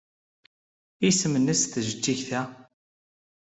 Isem-nnes tjejjigt-a?